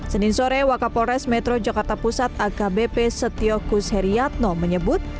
senin sore wakapolres metro jakarta pusat akbp setiokus heriatno menyebut